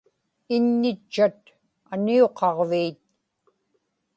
iññitchat aniuqaġviit